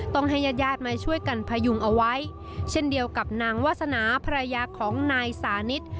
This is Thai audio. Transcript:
ให้ญาติญาติมาช่วยกันพยุงเอาไว้เช่นเดียวกับนางวาสนาภรรยาของนายสานิท